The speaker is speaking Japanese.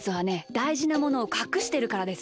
だいじなものをかくしてるからです。